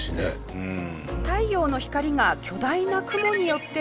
うん。